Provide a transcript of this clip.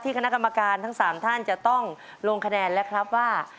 คณะกรรมการทั้ง๓ท่านจะต้องลงคะแนนแล้วครับว่า